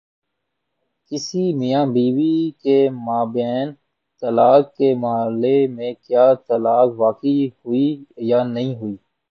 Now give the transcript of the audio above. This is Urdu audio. کسی میاں بیوی کے مابین طلاق کے مألے میں کیا طلاق واقع ہوئی ہے یا نہیں ہوئی؟